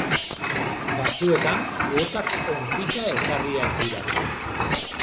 Batzuetan, kuotak ontzika ezarriak dira.